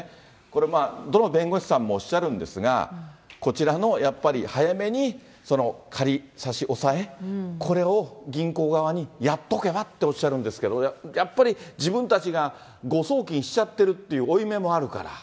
これまあ、どの弁護士さんもおっしゃるんですが、こちらのやっぱり早めに、仮差し押さえ、これを銀行側にやっとけばっておっしゃるんですが、やっぱり自分たちが誤送金しちゃってるという負い目もあるから。